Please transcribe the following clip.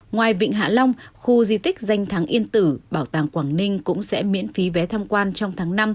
ngoài vịnh hạ long khu di tích danh tháng yên tử bảo tàng quảng ninh cũng sẽ miễn phí vé tham quan trong tháng năm